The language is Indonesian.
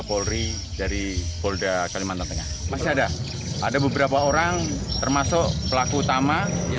polri dari polda kalimantan tengah masih ada ada beberapa orang termasuk pelaku utama yang